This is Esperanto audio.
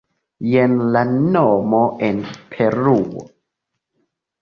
Jen la nomo en Peruo.